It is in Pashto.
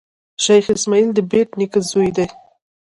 شېخ اسماعیل دبېټ نیکه زوی دﺉ.